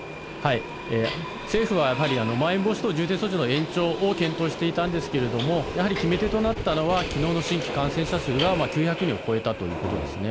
政府はやはりまん延防止等重点措置の延長を検討していたんですけれども、やはり決め手となったのは、きのうの新規感染者数が９００人を超えたということですね。